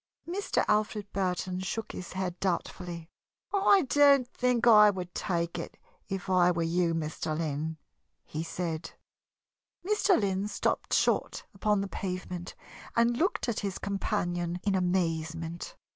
Mr. Alfred Burton shook his head doubtfully. "I don't think I would take it, if I were you, Mr. Lynn," he said. Mr. Lynn stopped short upon the pavement and looked at his companion in amazement.